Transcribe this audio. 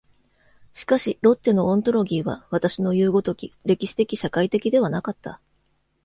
しかしロッチェのオントロギーは私のいう如き歴史的社会的ではなかった。